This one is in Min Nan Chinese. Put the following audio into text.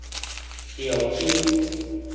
潮州